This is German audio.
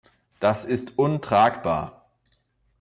Das ist untragbar!